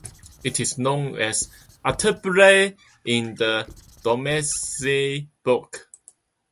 It is known as Ateberie in the Domesday Book.